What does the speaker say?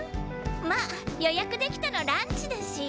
まぁ予約できたのランチだし。